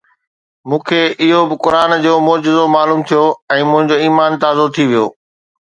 مون کي اهو به قرآن جو معجزو معلوم ٿيو ۽ منهنجو ايمان تازو ٿي ويو